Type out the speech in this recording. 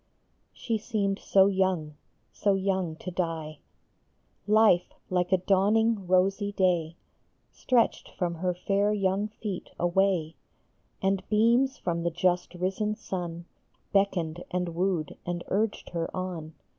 i|HE seemed so young, so young to die ! Life, like a dawning, rosy day, Stretched from her fair young feet away, And beams from the just risen sun Beckoned and wooed and urged her on.